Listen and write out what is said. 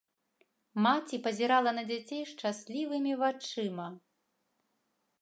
Маці пазірала на дзяцей шчаслівымі вачыма.